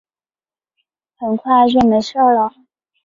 很快就没事了